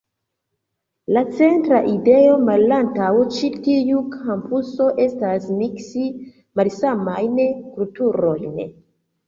La centra ideo malantaŭ ĉi tiu kampuso estas miksi malsamajn kulturojn.